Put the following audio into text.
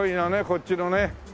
こっちのね